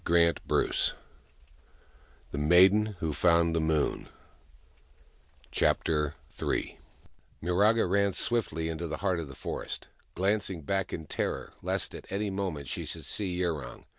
144 THE MAIDEN WHO FOUND THE MOON Chapter III MiRAGA ran swiftly into the heart of the forest, glancing back in terror, lest at any moment she should see Yurong.